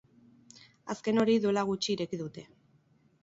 Azken hori duela gutxi ireki dute.